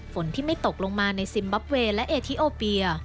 ฝนที่ไม่ตกลงมาในซิมบับเวย์และเอทิโอเปีย